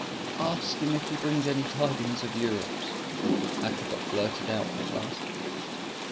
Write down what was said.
"Ask him if he brings any tidings of Europe," Hakkabut blurted out at last.